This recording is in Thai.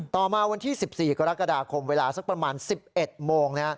ต่อมาวันที่๑๔กรกฎาคมเวลาสักประมาณ๑๑โมง